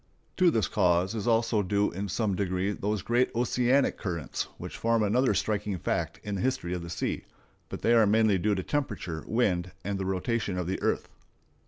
To this cause is also due in some degree those great oceanic currents which form another striking fact in the history of the sea; but they are mainly due to temperature, wind, and the rotation of the earth.